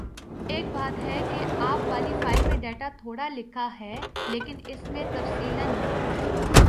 ایک بات ہے کہ آپ والی فائل میں ڈیٹا تھوڑا لکھا ہے لیکن اس میں تفصیلاً ہے